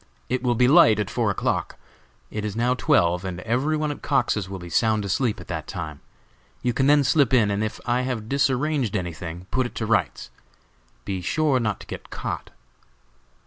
It will be light at four o'clock; it is now twelve, and every one at Cox's will be sound asleep at that time. You can then slip in, and if I have disarranged anything, put it to rights. Be sure not to get caught!"